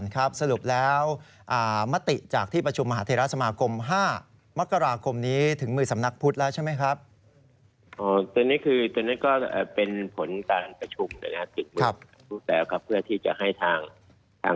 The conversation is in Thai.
แต่จะเป็นมติที่จะให้พวกต่อการสำนักงาน